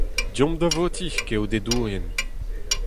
Deomp da votiñ, keodedourien !